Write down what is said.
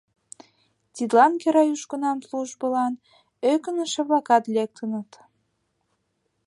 Тидлан кӧра южгунам службылан ӧкынышӧ-влакат лектыныт.